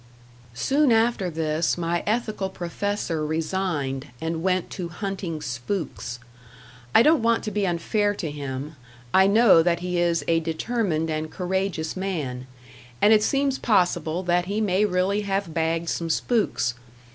Soon after this, my ethical professor resigned and went to hunting spooks. I don't want to be unfair to him; I know that he is a determined and courageous man, and it seems possible that he may really have bagged some spooks.